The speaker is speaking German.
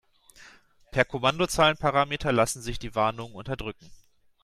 Per Kommandozeilenparameter lassen sich die Warnungen unterdrücken.